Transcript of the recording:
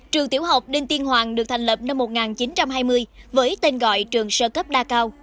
trường tiểu học đinh tiên hoàng được thành lập năm một nghìn chín trăm hai mươi với tên gọi trường sơ cấp đa cao